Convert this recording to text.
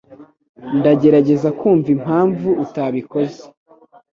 Ndagerageza kumva impamvu utabikoze.